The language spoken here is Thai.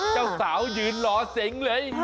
เจ้าสาวหยืนหล่อเสียงเลย